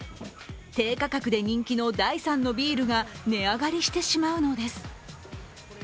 低価格で人気の第３のビールが値上がりしてしまうのです。